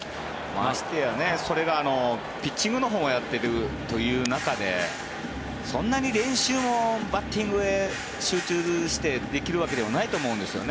ましてやそれがピッチングのほうもやっている中でそんなに練習もバッティングへ集中してできるわけではないと思うんですよね。